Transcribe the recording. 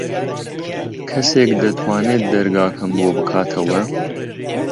کەسێک دەتوانێت دەرگاکەم بۆ بکاتەوە؟